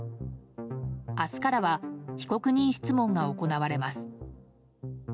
明日からは被告人質問が行われます。